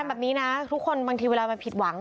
แบบนี้นะทุกคนบางทีเวลามันผิดหวัง